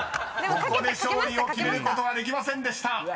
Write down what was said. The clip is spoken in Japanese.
［ここで勝利を決めることはできませんでした］